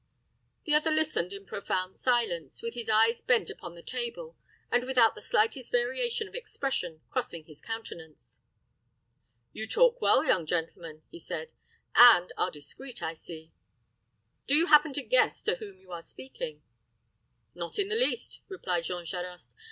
The other listened in profound silence, with his eyes bent upon the table, and without the slightest variation of expression crossing his countenance. "You talk well, young gentleman," he said, "and are discreet, I see. Do you happen to guess to whom you are speaking?" "Not in the least," replied Jean Charost.